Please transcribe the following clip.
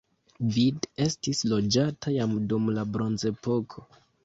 Vid estis loĝata jam dum la bronzepoko.